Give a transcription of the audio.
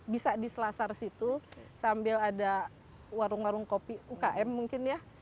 bisa di selasar situ sambil ada warung warung kopi ukm mungkin ya